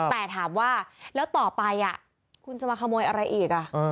แต่ถามว่าแล้วต่อไปคุณจะมาขโมยอะไรอีก